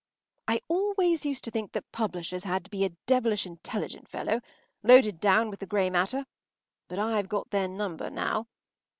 ” I always used to think that publishers had to be devilish intelligent fellows, loaded down with the grey matter; but I’ve got their number now.